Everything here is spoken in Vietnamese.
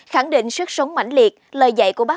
khẳng định suất sống mạnh liệt lời dạy của bác sĩ